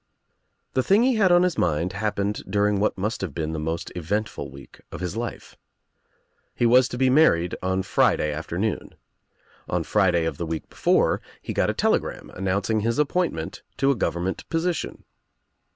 The thing he had on his mind happened during what must have been the most eventful week of his life. He was to be married on Friday afternoon. On Friday of the week before he got a telegram announcing his ap pointment to a government position.